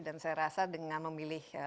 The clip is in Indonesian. dan saya rasa dengan memilih